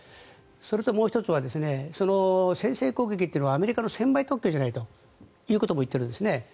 それともう１つは先制攻撃というのはアメリカの専売特許じゃないということも言っているんですね。